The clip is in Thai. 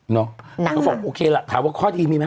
เนาะเขาบอกโอเคแหละถามว่าข้อที่มีไหม